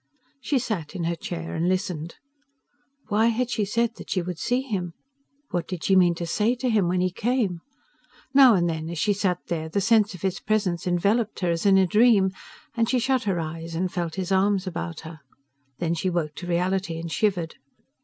She sat in her chair and listened. Why had she said that she would see him? What did she mean to say to him when he came? Now and then, as she sat there, the sense of his presence enveloped her as in her dream, and she shut her eyes and felt his arms about her. Then she woke to reality and shivered.